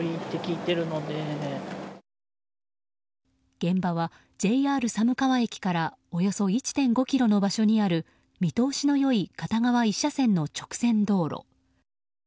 現場はＪＲ寒川駅からおよそ１．５ｋｍの場所にある見通しの良い片側１車線の直線道路。